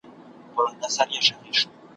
تللی به قاصد وي یو پیغام به یې لیکلی وي `